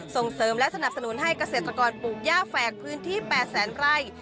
ส่งเสริมและสนับสนุนให้เกษตรกรปลูกย่าแฝกพื้นที่๘แสนไร่